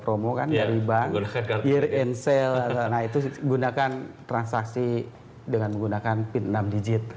promo kan dari bank year and sale nah itu gunakan transaksi dengan menggunakan pit enam digit